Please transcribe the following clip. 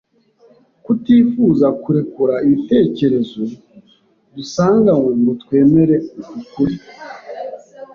Kutifuza kurekura ibitekerezo dusanganywe ngo twemere uku kuri,